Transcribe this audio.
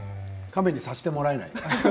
カメにさせてもらえないんです。